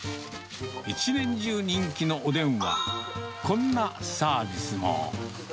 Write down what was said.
１年中人気のおでんは、こんなサービスも。